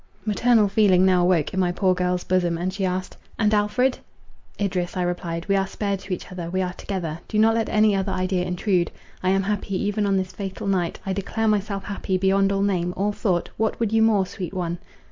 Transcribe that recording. Maternal feeling now awoke in my poor girl's bosom, and she asked: "And Alfred?" "Idris," I replied, "we are spared to each other, we are together; do not let any other idea intrude. I am happy; even on this fatal night, I declare myself happy, beyond all name, all thought—what would you more, sweet one?"